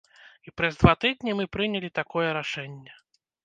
І праз два тыдні мы прынялі такое рашэнне.